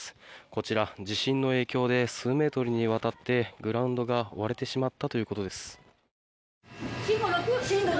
こちら、地震の影響で数メートルにわたってグラウンドが割れてしまったということです。